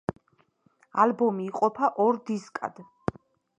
ალბომი იყოფა ორ დისკად.